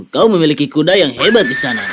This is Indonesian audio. kau memiliki kuda yang hebat di sana